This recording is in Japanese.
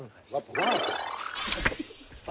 ワープ。